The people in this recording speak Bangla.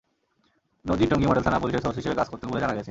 নজির টঙ্গী মডেল থানা পুলিশের সোর্স হিসেবে কাজ করতেন বলে জানা গেছে।